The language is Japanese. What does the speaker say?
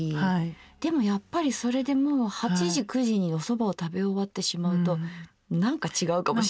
でもやっぱりそれでもう８時９時におそばを食べ終わってしまうとなんか違うかもしれない。